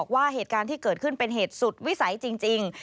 ว่าเหตุการณ์ที่เกิดขึ้นเป็นเหตุสุดวิสัยจริง